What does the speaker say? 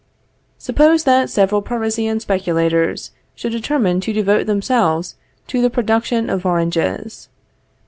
Suppose that several Parisian speculators should determine to devote themselves to the production of oranges.